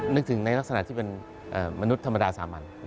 นึกถึงในลักษณะที่เป็นมนุษย์ธรรมดาสามัญ